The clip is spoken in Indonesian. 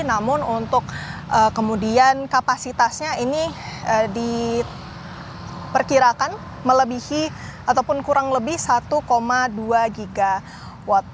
namun untuk kapasitasnya ini diperkirakan kurang lebih satu dua giga watt